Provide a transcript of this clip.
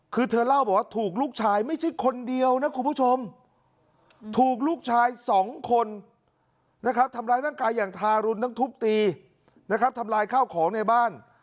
คือเธอเล่าบอกว่าถูกลูกชายไม่ใช่คนเดียวนะคุณผู้ชมถูกลูกชายสองคนนะครับทำร้ายร่างกายอย่างทารุณทั้งทุบตีนะครับทำลายข้าวของในบ้าน